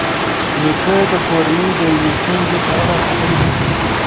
نیکه د کورنۍ د یوې ستونزې په اړه خبرې کوي.